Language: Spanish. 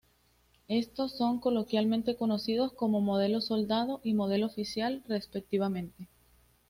Estos son coloquialmente conocidos como "modelo Soldado" y "modelo Oficial", respectivamente.